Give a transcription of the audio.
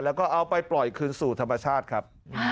แล้วก็เอาไปปล่อยคืนสู่ธรรมชาติครับ